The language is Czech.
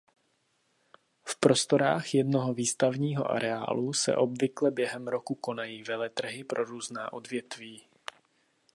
V prostorách jednoho výstavního areálu se obvykle během roku konají veletrhy pro různá odvětví.